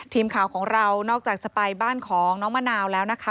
ทีมข่าวของเรานอกจากจะไปบ้านของน้องมะนาวแล้วนะคะ